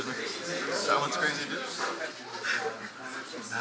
何？